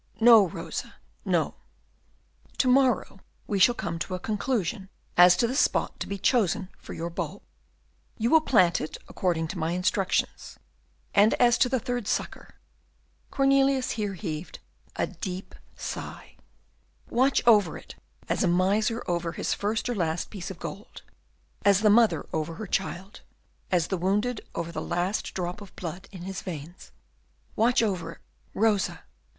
No, Rosa, no; to morrow we shall come to a conclusion as to the spot to be chosen for your tulip; you will plant it according to my instructions; and as to the third sucker," Cornelius here heaved a deep sigh, "watch over it as a miser over his first or last piece of gold; as the mother over her child; as the wounded over the last drop of blood in his veins; watch over it, Rosa!